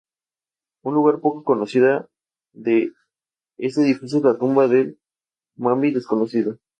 Un lugar poco conocido de este edificio es la "Tumba del Mambí Desconocido".